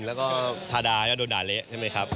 แล้วก็ทาดาก็โดนด่าเละใช่ไหมครับ